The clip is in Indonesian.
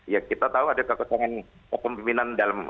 ya kita tahu ada kekosongan kepemimpinan dalam